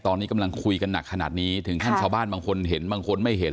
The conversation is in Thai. ตอนนี้กำลังคุยกันหนักขนาดนี้ถึงขั้นชาวบ้านบางคนเห็นบางคนไม่เห็น